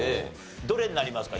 どれになりますか？